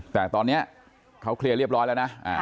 แต่ตอนนี้เขาเคลียร์เรียบร้อยแล้วนะ